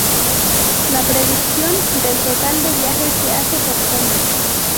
La predicción del total de viajes se hace por zona.